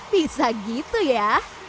bisa gitu ya